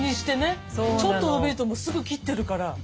ちょっと伸びるとすぐ切ってるから。